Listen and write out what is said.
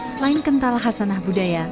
selain kental hasanah budaya